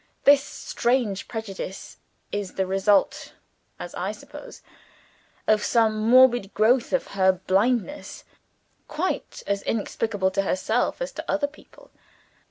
This strange prejudice is the result, as I suppose, of some morbid growth of her blindness, quite as inexplicable to herself as to other people.